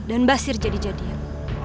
dan basir jadi jadian